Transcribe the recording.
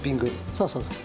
そうそうそう。